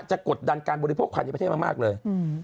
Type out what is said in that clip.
กดดันการบริโภคภายในประเทศมากเลย